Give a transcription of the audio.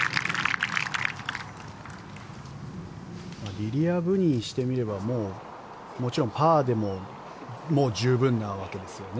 リリア・ブにしてみればもちろんパーでも十分なわけですよね。